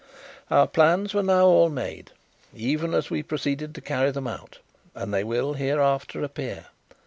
Our plans were now all made, even as we proceeded to carry them out, and as they will hereafter appear.